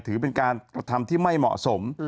ถือเป็นการกระทำที่ไม่เหมาะสม